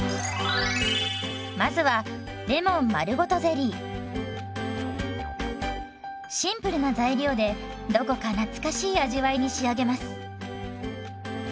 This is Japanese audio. まずはシンプルな材料でどこか懐かしい味わいに仕上げます。